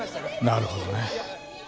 なるほどね。